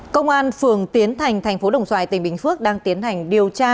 công an phường tiến thành tp đồng xoài tỉnh bình phước đang tiến hành điều tra